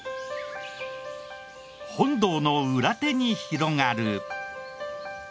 本堂の裏手に広がる。